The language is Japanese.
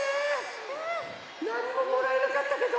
なんにももらえなかったけど。